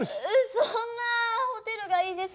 そんなホテルがいいです。